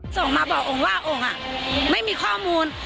ส่งมาบอกองค์ว่าองค์ไม่มีข้อมูล